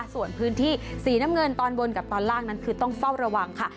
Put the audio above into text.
ส่วนพื้นที่สีน้ำเงินตอนบนกับตอนล่างนั้นคือต้องเฝ้าระวังค่ะ